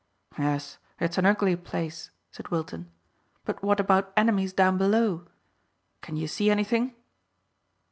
"Yes, it's an ugly place," said Wilton; "but what about enemies down below? Can you see anything?"